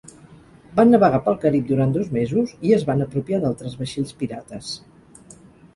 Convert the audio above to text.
Van navegar pel Carib durant dos mesos, i es van apropiar d'altres vaixells pirates.